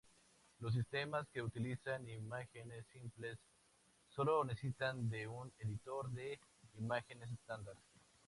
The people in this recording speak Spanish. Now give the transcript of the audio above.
Los sistemas que utilizan imágenes simples sólo necesitan de un editor de imágenes estándar.